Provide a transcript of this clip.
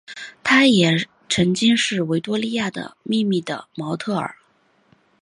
她也曾经是维多利亚的秘密的模特儿。